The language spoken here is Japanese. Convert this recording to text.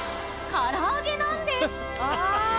唐揚げなんです。